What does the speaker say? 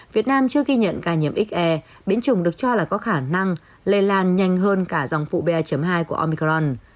việt nam chưa ghi nhận ca nhiễm xr biến trùng được cho là có khả năng lây lan nhanh hơn cả dòng phụ ba hai của omicron